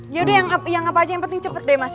yaudah yang apa aja yang penting cepet deh mas ya